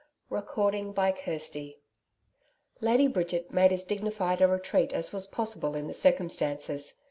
CHAPTER 12 Lady Bridget made as dignified a retreat as was possible in the circumstances.